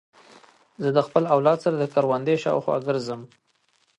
زه د خپل اولاد سره د کوروندې شاوخوا ګرځم.